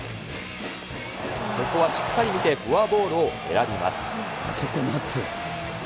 ここはしっかり見て、フォアボールを選びます。